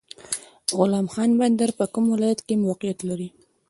غلام خان بندر په کوم ولایت کې موقعیت لري؟